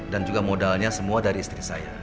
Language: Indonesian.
juga modalnya semua dari istri saya